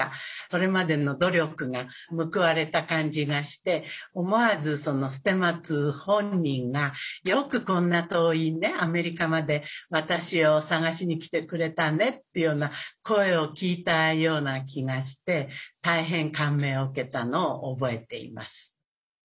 それまでの努力が報われた感じがして思わず捨松本人が「よくこんな遠いアメリカまで私を探しに来てくれたね」っていうような声を聞いたような気がして大変感銘を受けたのを覚えています。